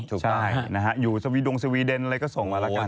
ใช่อยู่ดวงสวีเดนเลยก็ส่งมาแล้วกัน